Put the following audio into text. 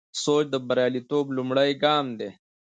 سوچ د بریالیتوب لومړی ګام دی.